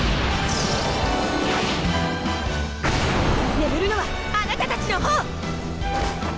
眠るのはあなたたちの方！